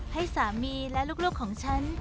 ให้สามีและลูกของฉัน